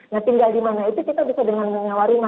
nah tinggal dimana itu kita bisa dengan menyewa rumah